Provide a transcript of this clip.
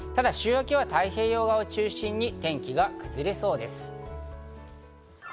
ただ週明けは太平洋側を中心に天気が崩れそうです。